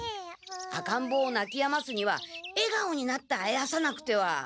赤んぼうをなきやますにはえがおになってあやさなくては。